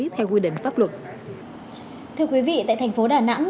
thưa quý vị tại thành phố đà nẵng